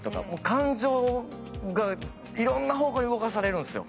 感情がいろんな方向に向かされるんですよ。